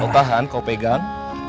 kau tahan kau pegang